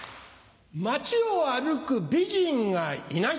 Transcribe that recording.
町を歩く美人がいない！